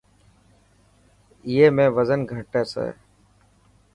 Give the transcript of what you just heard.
ائي ۾ وزن کهٽي.